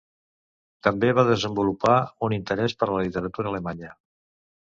També va desenvolupar un interès per la literatura alemanya.